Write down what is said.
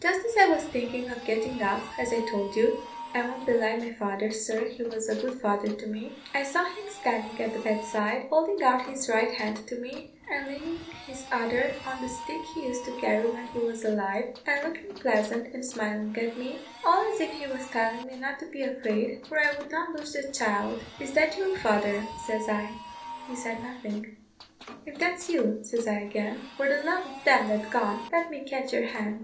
"Just as I was thinking of getting up, as I told you I won't belie my father, sir, he was a good father to me I saw him standing at the bedside, holding out his right hand to me, and leaning his other on the stick he used to carry when he was alive, and looking pleasant and smiling at me, all as if he was telling me not to be afeard, for I would not lose the child. 'Is that you, father?' says I. He said nothing. 'If that's you,' says I again, 'for the love of them that gone, let me catch your hand.'